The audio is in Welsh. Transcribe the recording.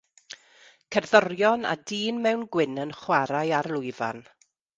Cerddorion a dyn mewn gwyn yn chwarae ar lwyfan.